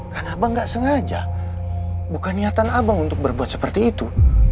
karena abang nggak sengaja bukan niatan abang untuk berbuat seperti itu